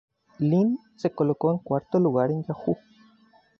Lin se colocó en cuarto lugar en Yahoo!